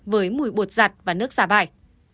với mùi bột giặt và nước xà vải